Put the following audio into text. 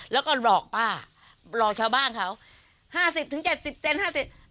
แล้วก็หลอกป้าหลอกชาวบ้านเขาห้าสิบถึงเจ็ดสิบเซนห้าสิบ